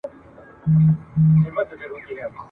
خو د خولې له خلاصېدو سره خطا سو !.